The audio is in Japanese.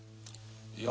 いや。